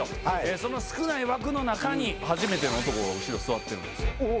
その少ない枠の中に初めての男が後ろ座ってるんですよ。